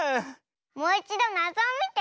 もういちどなぞをみてみよう。